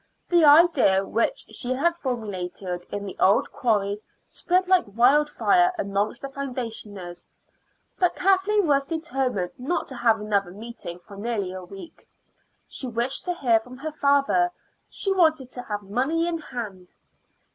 The idea which she had formulated in the old quarry spread like wildfire amongst the foundationers; but Kathleen was determined not to have another meeting for nearly a week. She wished to hear from her father; she wanted to have money in hand.